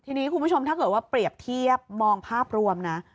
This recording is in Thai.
ทีนี้คุณผู้ชมถ้าเกิดว่าเปรียบเทียบมองภาพรวมนะ